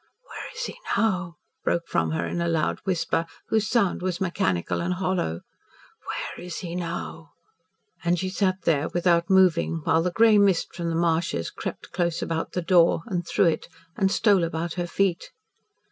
"Where is he now?" broke from her in a loud whisper, whose sound was mechanical and hollow. "Where is he now?" And she sat there without moving, while the grey mist from the marshes crept close about the door and through it and stole about her feet.